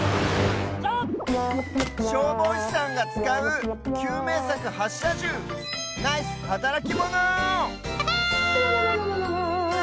しょうぼうしさんがつかうきゅうめいさくはっしゃじゅうナイスはたらきモノ！